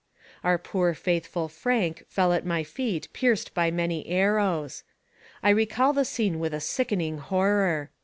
Our poor faithful Frank fell at my feet pierced by many arrows. I recall the scene with a sickening horror.